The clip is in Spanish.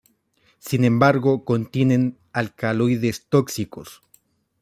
Sin embargo contienen alcaloides tóxicos.